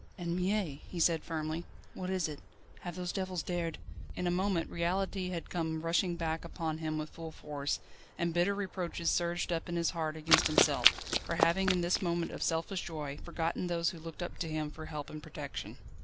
"Anne Mie," he said firmly, "what is it? Have those devils dared ..." In a moment reality had come rushing back upon him with full force, and bitter reproaches surged up in his heart against himself, for having in this moment of selfish joy forgotten those who looked up to him for help and protection.